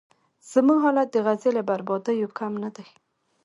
زموږ حالت د غزې له بربادیو کم نه دی.